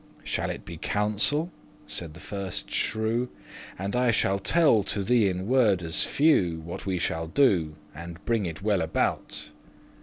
"Shall it be counsel?"* said the firste shrew; *secret wretch "And I shall tell to thee in wordes few What we shall do, and bring it well about."